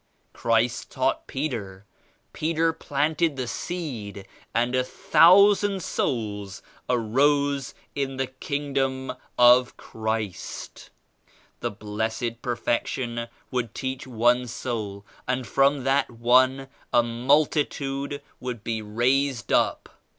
Christ taught Peter. Peter planted the seed and a thousand souls arose in the Kingdom of Christ. The Blessed Perfec tion would teach one soul and from that one a multitude would be raised up.